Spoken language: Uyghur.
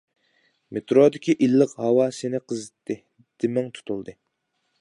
مېترودىكى ئىللىق ھاۋا سېنى قىزىتتى، دېمىڭ تۇتۇلدى.